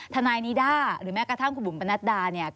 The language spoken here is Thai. ทนายนิด้าหรือแม้กระทั่งคุณบุ๋มปนัดดาเนี่ย